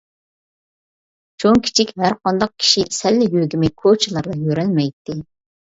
چوڭ-كىچىك ھەر قانداق كىشى سەللە يۆگىمەي كوچىلاردا يۈرەلمەيتتى.